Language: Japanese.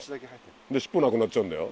で尻尾なくなっちゃうんだよ。